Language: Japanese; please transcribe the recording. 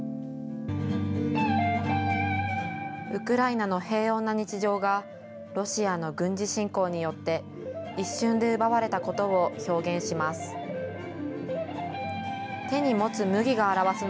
ウクライナの平穏な日常が、ロシアの軍事侵攻によって、一瞬で奪われたことを表現します。